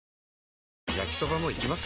焼きソバもいきます？